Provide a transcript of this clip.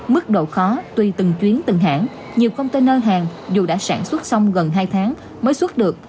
mức độ khó tùy từng chuyến từng hãng nhiều container hàng dù đã sản xuất xong gần hai tháng mới xuất được